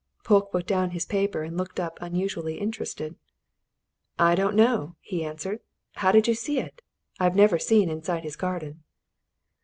Polke put down his paper and looked unusually interested. "I don't know!" he answered. "How did you see it? I've never seen inside his garden."